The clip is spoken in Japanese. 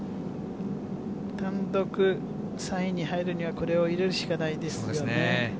単独３位に入るには、これを入れるしかないですよね。